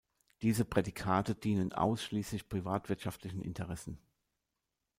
Diese Prädikate dienen ausschließlich privatwirtschaftlichen Interessen.